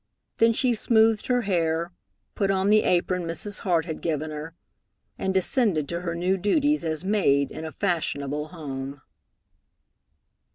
Then she smoothed her hair, put on the apron Mrs. Hart had given her, and descended to her new duties as maid in a fashionable home.